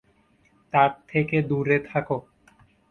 তার থেকে দূরে থাকো।